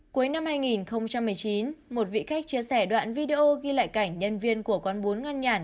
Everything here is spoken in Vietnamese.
cuối năm hai nghìn một mươi chín một vị khách chia sẻ đoạn video ghi lại cảnh nhân viên của quán bún ngân nhản